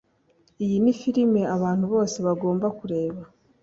Iyi ni film abantu bose bagomba kureba